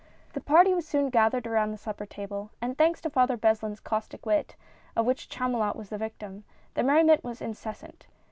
The party was soon gathered around the supper table, and thanks to Father Beslin's caustic wit, of which Chamulot was the victim, the merriment was incessant.